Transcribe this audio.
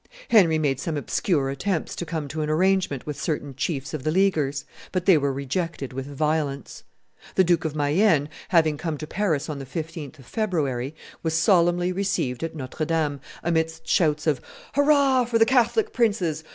Henry made some obscure attempts to come to an arrangement with certain chiefs of the Leaguers; but they were rejected with violence. The Duke of Mayenne, having come to Paris on the 15th of February, was solemnly received at Notre Dame, amidst shouts of "Hurrah for the Catholic princes!